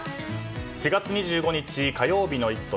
４月２５日火曜日の「イット！」